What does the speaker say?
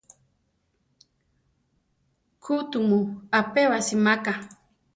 ¡ʼku tumu apébasi máka!